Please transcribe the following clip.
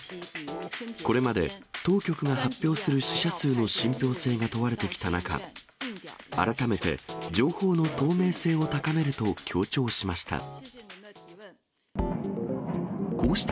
これまで当局が発表する死者数の信ぴょう性が問われてきた中、改めて情報の透明性を高めると強調しました。